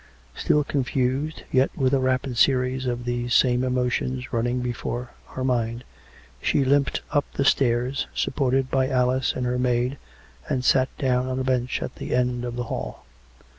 Still confused, yet with a rapid series of these same emo tions running before her mind, she limped up the steps, supported by Alice and her maid, and sat down on a bench at the end of the hall.